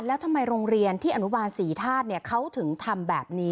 แล้วทำไมโรงเรียนที่อนุบาลศรีธาตุเขาถึงทำแบบนี้